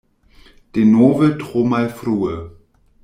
Denove tro malfrue.